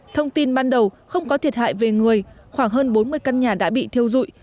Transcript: thông tin ban đầu không có thiệt hại về người khoảng hơn bốn mươi căn nhà đã bị thiêu dụi